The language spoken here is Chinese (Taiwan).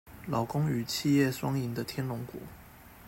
勞工與企業雙贏的天龍國